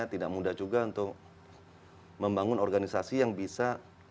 tidak mudah juga untuk membangun organisasi yang bisa